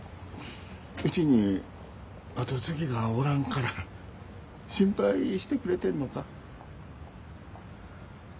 うちに後継ぎがおらんから心配してくれてんのか？